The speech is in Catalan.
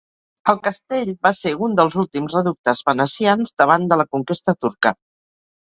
El castell va ser un dels últims reductes venecians davant de la conquesta turca.